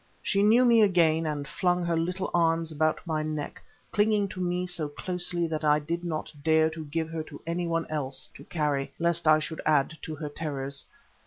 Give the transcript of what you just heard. She knew me again, and flung her little arms about my neck, clinging to me so closely that I did not dare to give her to any one else to carry lest I should add to her terrors.